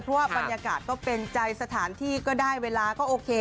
เพราะว่าบรรยากาศก็เป็นใจสถานที่ก็ได้เวลาก็โอเค